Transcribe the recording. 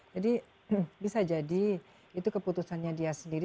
jadi bisa jadi itu keputusannya dia sendiri